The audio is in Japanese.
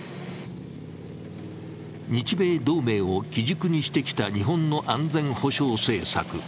日米同盟を基軸にしてきた日本の安全保障政策。